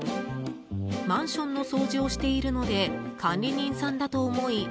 マンションの掃除をしているので管理人さんだと思い